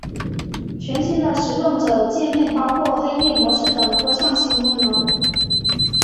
全新的使用者界面包括黑夜模式等多项新功能。